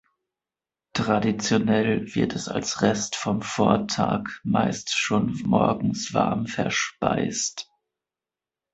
Traditionell wird es als Rest vom Vortag meist schon morgens warm verspeist.